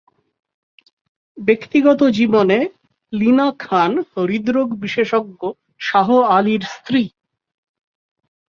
ব্যক্তিগত জীবনে লিনা খান হৃদরোগ বিশেষজ্ঞ শাহ আলীর স্ত্রী।